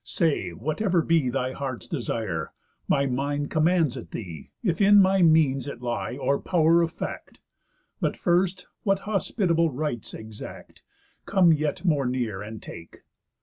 Say, whatever be Thy heart's desire, my mind commands it thee, If in my means it lie, or pow'r of fact. But first, what hospitable rites exact, Come yet more near, and take."